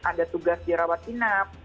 ada tugas di rawat inap